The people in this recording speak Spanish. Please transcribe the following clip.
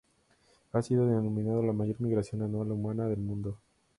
Ha sido denominado la mayor migración anual humana del mundo.